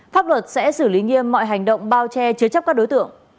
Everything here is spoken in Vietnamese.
pháp luật sẽ xử lý nghiêm mọi hành động bao che chứa chấp các đối tượng